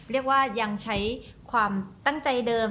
เรียกว่ายังใช้ความตั้งใจเดิม